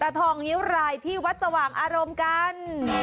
ทองนิ้วรายที่วัดสว่างอารมณ์กัน